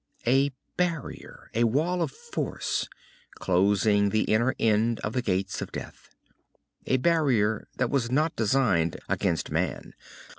A barrier, a wall of force, closing the inner end of the Gates of Death. A barrier that was not designed against man.